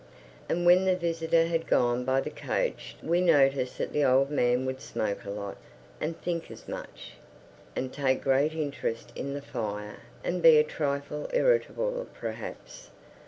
And when the visitor had gone by the coach we noticed that the old man would smoke a lot, and think as much, and take great interest in the fire, and be a trifle irritable perhaps.